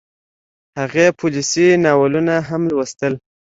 هغې پوليسي ناولونه هم لوستل